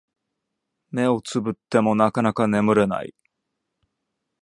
目をつぶってもなかなか眠れない